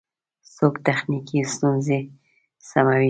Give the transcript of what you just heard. څوک تخنیکی ستونزی سموي؟